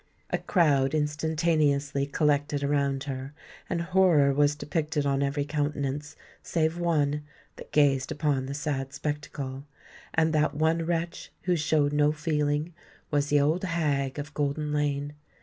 A crowd instantaneously collected around her; and horror was depicted on every countenance, save one, that gazed upon the sad spectacle. And that one wretch who showed no feeling, was the old hag of Golden Lane.